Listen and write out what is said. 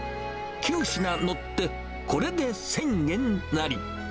９品載って、これで１０００円なり。